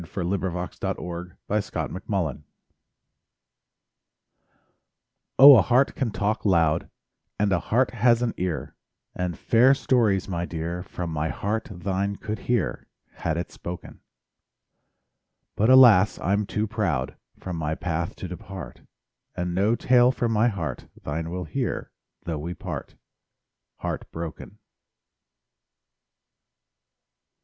... SONGS AND DREAMS Too Proud Oh, a heart can talk loud, And a heart has an ear; And fair stories, my dear, From my heart thine could hear— Had it spoken; But, alas, I'm too proud From my path to depart, And no tale from my heart Thine will hear, though we part— Heart broken.